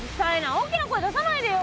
大きな声出さないでよ。